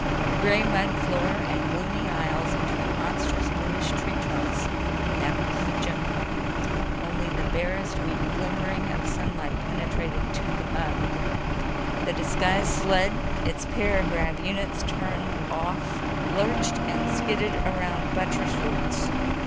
Gray mud floor and gloomy aisles between monstrous bluish tree trunks—that was the jungle. Only the barest weak glimmering of sunlight penetrated to the mud. The disguised sled—its para grav units turned off—lurched and skidded around buttress roots.